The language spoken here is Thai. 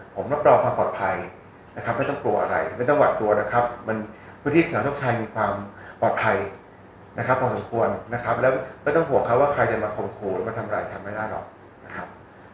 ผมรับรองความปลอดภัยนะครับไม่ต้องกลัวอะไรไม่ต้องหวาดกลัวนะครับมันพื้นที่สนามทกชัยมีความปลอดภัยนะครับพอสมควรนะครับแล้วไม่ต้องห่วงเขาว่าใครจะมาข่มขู่หรือมาทำร้ายฉันไม่ได้หรอกนะครับ